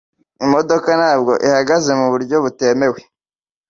Imodoka ntabwo ihagaze muburyo butemewe .